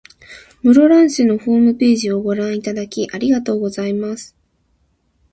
室蘭市のホームページをご覧いただき、ありがとうございます。